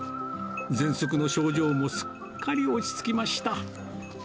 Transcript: ぜんそくの症状もすっかり落ち着きました。